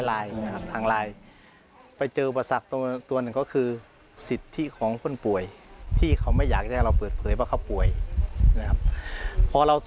อ่านข่าวตรงนี้ได้นะครับ